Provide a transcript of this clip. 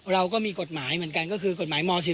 เราก็มีกฎหมายเหมือนกันก็คือกฎหมายม๑๔